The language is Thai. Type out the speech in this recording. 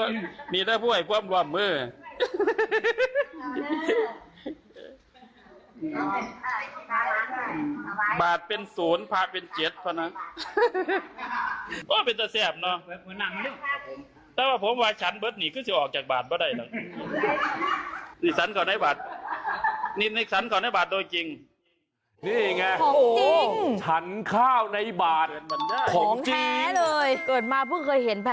นี่แหละผู้ใหญ่กว้ำว่ำ